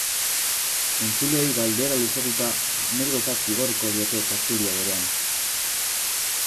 Entzuleei galdera luzatuta anekdotak igorriko diete tertulia berean.